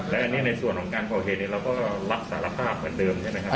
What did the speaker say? และอันนี้ในส่วนของการก่อเหตุเราก็รับสารภาพเหมือนเดิมใช่ไหมครับ